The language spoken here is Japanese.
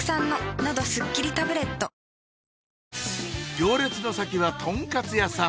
行列の先はとんかつ屋さん